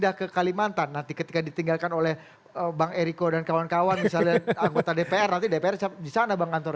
apakah kita pindah ke kalimantan nanti ketika ditinggalkan oleh bang eriko dan kawan kawan misalnya anggota dpr nanti dpr disana bang antor